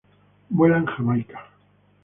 Vuela en Jamaica.